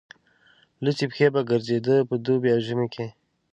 لوڅې پښې به ګرځېد په دوبي او ژمي کې.